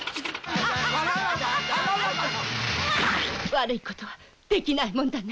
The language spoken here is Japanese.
悪い事はできないもんだね。